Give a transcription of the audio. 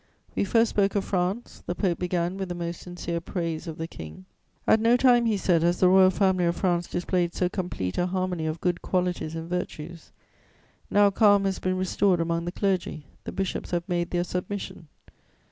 "We first spoke of France. The Pope began with the most sincere praise of the King. "'At no time,' he said, 'has the Royal Family of France displayed so complete a harmony of good qualities and virtues. Now calm has been restored among the clergy; the bishops have made their submission.'